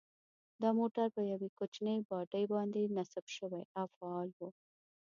دا موټر په یوې کوچنۍ باډۍ باندې نصب شوی او فعال و.